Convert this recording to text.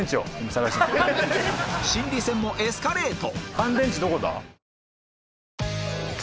心理戦もエスカレート